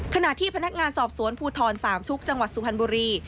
ขณะที่พนักงานสอบสวนภูทรสามชุกจังหวัดสุพรรณบุรี